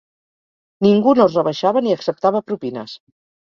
Ningú no es rebaixava ni acceptava propines